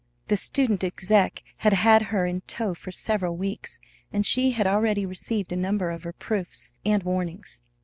The "student exec" had had her in tow for several weeks, and she had already received a number of reproofs and warnings.